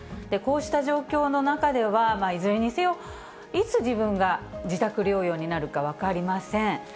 こうした状況の中では、いずれにせよ、いつ自分が自宅療養になるか分かりません。